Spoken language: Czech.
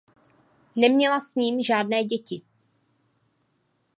Neměla s ním žádné děti.